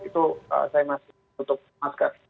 itu saya masih tutup masker